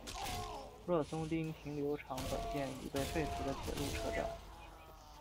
若松町停留场本线已被废除的铁路车站。